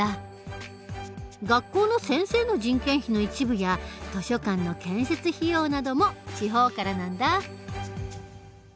学校の先生の人件費の一部や図書館の建設費用なども地方からなんだ。